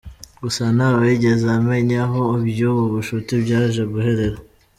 Gusa ntawigeze amenya aho iby’ubu bucuti byaje guherera.